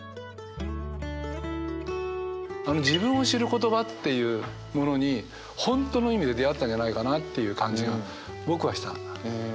自分を知る言葉っていうものに本当の意味で出会ったんじゃないかなっていう感じが僕はした。